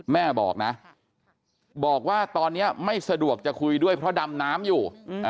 แม่บอกนะบอกว่าตอนนี้ไม่สะดวกจะคุยด้วยเพราะดำน้ำอยู่